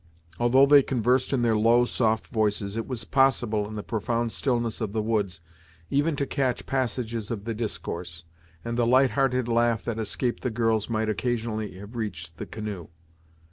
Although they conversed in their low, soft voices it was possible, in the profound stillness of the woods, even to catch passages of the discourse; and the light hearted laugh that escaped the girls might occasionally have reached the canoe.